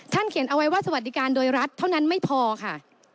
เขียนเอาไว้ว่าสวัสดิการโดยรัฐเท่านั้นไม่พอค่ะ